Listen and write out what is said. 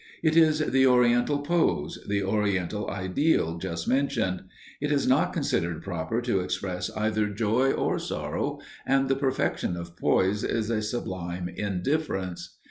It is the Oriental pose, the Oriental ideal just mentioned. It is not considered proper to express either joy or sorrow, and the perfection of poise is a sublime indifference.